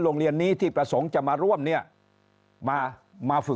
แปลอาสาห์สาว่ายนำที่ลงเบียนอัฐมนาธสาสี